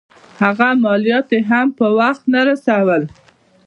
هغه مالیات یې هم پر وخت نه رسول.